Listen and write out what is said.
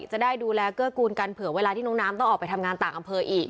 จะได้ดูแลเกื้อกูลกันเผื่อเวลาที่น้องน้ำต้องออกไปทำงานต่างอำเภออีก